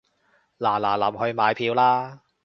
嗱嗱臨去買票啦